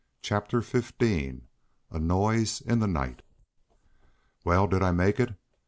Chapter Fifteen A Noise in the Night "Well, did I make it?